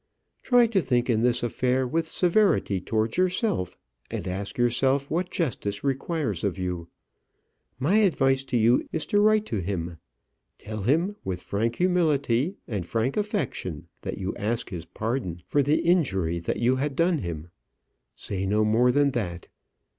Try to think in this affair with severity towards yourself, and ask yourself what justice requires of you. My advice to you is to write to him. Tell him, with frank humility and frank affection, that you ask his pardon for the injury that you had done him. Say no more than that.